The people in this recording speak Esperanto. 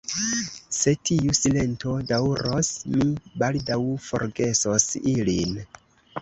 Se tiu silento daŭros, mi baldaŭ forgesos ilin.